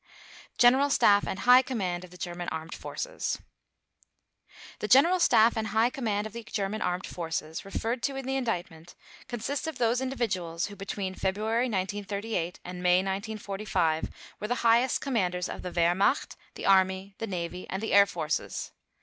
GENERAL STAFF AND HIGH COMMAND OF THE GERMAN ARMED FORCES The "General Staff and High Command of the German Armed Forces" referred to in the Indictment consist of those individuals who between February 1938 and May 1945 were the highest commanders of the Wehrmacht, the Army, the Navy, and the Air Forces.